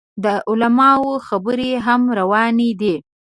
د علماو خبرې هم روانې دي.